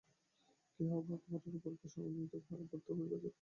কেহ কেহ আবার অপরকে স্বমতে আনিতে বাধ্য করিবার জন্য তরবারি পর্যন্ত গ্রহণ করে।